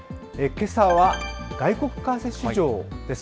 けさは外国為替市場です。